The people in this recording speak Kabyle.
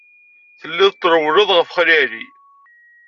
Telliḍ trewwleḍ ɣef Xali Ɛli.